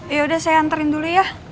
yaudah saya anterin dulu ya